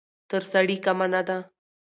تر سړي کمه نه ده.